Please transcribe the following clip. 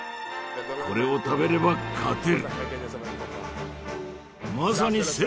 これを食べれば勝てる。